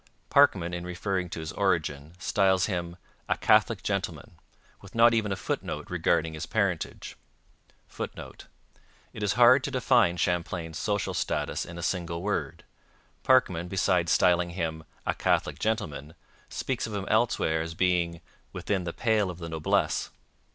Parkman, in referring to his origin, styles him 'a Catholic gentleman,' with not even a footnote regarding his parentage. [Footnote: It is hard to define Champlain's social status in a single word. Parkman, besides styling him 'a Catholic gentleman,' speaks of him elsewhere as being 'within the pale of the noblesse.'